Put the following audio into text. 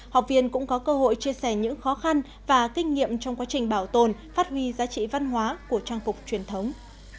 học viên cũng có cơ hội chia sẻ những khó khăn và kinh nghiệm trong quá trình bảo tồn phát huy giá trị văn hóa của trang phục truyền thống